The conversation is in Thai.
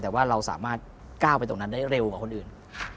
แต่ว่าเราสามารถก้าวไปตรงนั้นได้เร็วกว่าคนอื่น